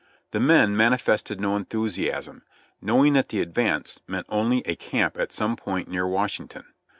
The men manifested no enthusiasm, know ing that the advance meant only a camp at some point near Wash ington.